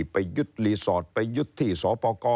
ไปยึดรีสอร์ทไปยึดที่สปกร